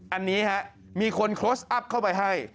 อันนี้ฮะมีคนโค้ชอัพเข้าไปให้